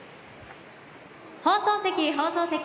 放送席、放送席